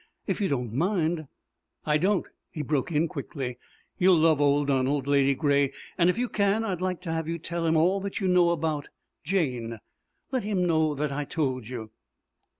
"If you don't mind " "I don't," he broke in quickly. "You'll love old Donald, Ladygray. And, if you can, I'd like to have you tell him all that you know about Jane. Let him know that I told you."